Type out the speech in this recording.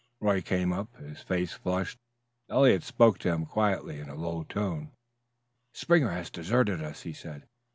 Roy came up, his face flushed. Eliot spoke to him quietly in a low tone: "Springer has deserted us," he said.